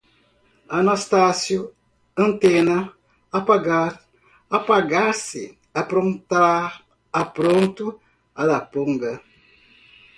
anastácio, antena, apagar, apagar-se, aprontar, apronto, araponga